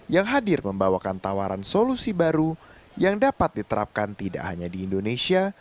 yang hadir membawakan tawaran solusi baru yang dapat diterapkan tidak hanya di indonesia